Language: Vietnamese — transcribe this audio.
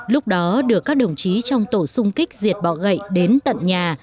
lúc đó được các đồng chí trong tổ sung kích diệt bọ gậy đến tận nhà